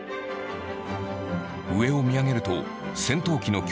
上を見上げると戦闘機の巨大模型が。